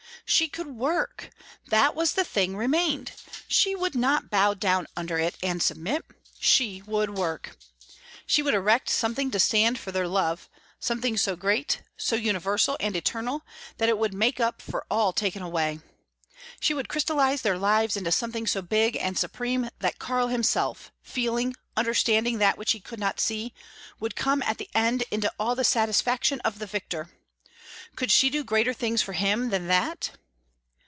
She could work! That was the thing remained. She would not bow down under it and submit. She would work! She would erect something to stand for their love something so great, so universal and eternal that it would make up for all taken away. She would crystallise their lives into something so big and supreme that Karl himself, feeling, understanding that which he could not see, would come at the end into all the satisfaction of the victor! Could she do greater things for him than that?